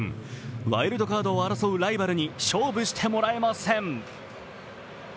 ワイルドカードを争うライバルに勝負してもらえません。